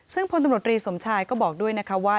ซึ่งพลตำรวจรีสมชายก็บอกด้วยนะคะว่า